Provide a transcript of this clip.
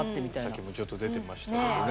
さっきもちょっと出てましたけどね。